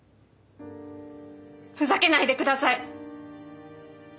ふざけないでください！